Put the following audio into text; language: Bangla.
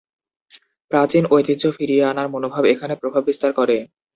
প্রাচীন ঐতিহ্য ফিরিয়ে আনার মনোভাব এখানে প্রভাব বিস্তার করে।